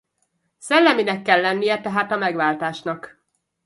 Szelleminek kell lennie tehát a megváltásnak.